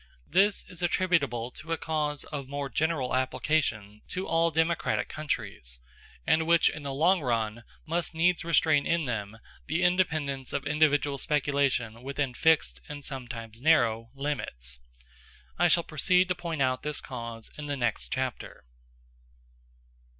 This is attributable to a cause of more general application to all democratic countries, and which, in the long run, must needs restrain in them the independence of individual speculation within fixed, and sometimes narrow, limits. I shall proceed to point out this cause in the next chapter.